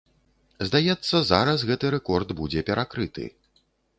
Здаецца, зараз гэты рэкорд будзе перакрыты.